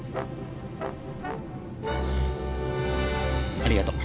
ありがとう。